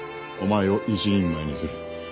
お前を一人前にする。